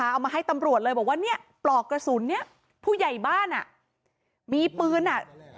เอามาให้ตำรวจเลยบอกว่าเนี่ยปลอกกระสุนเนี้ยผู้ใหญ่บ้านอ่ะมีปืนอ่ะ